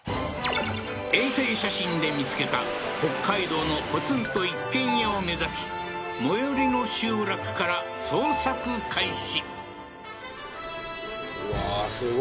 衛星写真で見つけた北海道のポツンと一軒家を目指し最寄りの集落から捜索開始